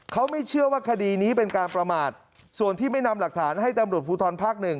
เขาไม่เชื่อว่าคดีนี้เป็นการประมาทส่วนที่ไม่นำหลักฐานให้ตำรวจภูทรภาคหนึ่ง